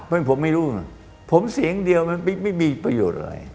มันผมไม่รู้นะผมเสียงเดียวมันไม่มีประโยชน์อะไร